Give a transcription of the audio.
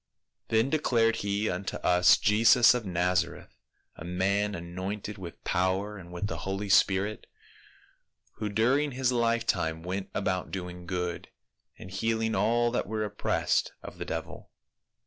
"Then declared he unto us Jesus of Nazareth, a man anointed with power and with the holy spirit, who during his lifetime went about doing good, and heal ing all that were oppressed of the devil.